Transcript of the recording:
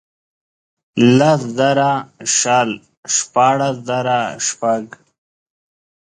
لس زره شل ، شپاړس زره شپږ.